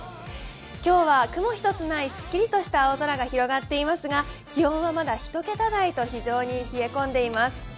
今日は雲一つないすっきりとした青空が広がっていますが気温はまだ１桁台と非常に冷え込んでいます。